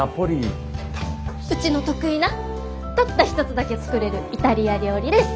うちの得意なたった一つだけ作れるイタリア料理です！